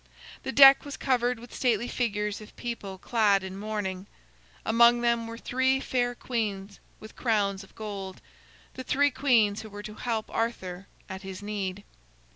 The deck was covered with stately figures of people clad in mourning. Among them were three fair queens with crowns of gold the three queens who were to help Arthur at his need.